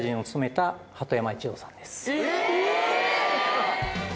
・えっ！